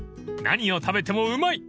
［何を食べてもうまい！］